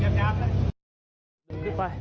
เดินขึ้นไป